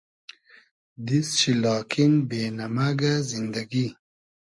دیست شی لاکین بې نئمئگۂ زیندئگی